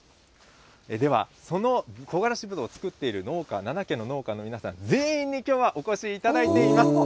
では、そのこがらしぶどうを作っている農家、７軒の農家の皆さん、全員にきょうはお越しいただいています。